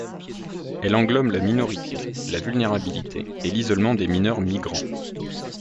Elle englobe la minorité, la vulnérabilité et l'isolement des mineurs migrants.